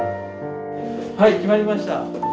はい決まりました。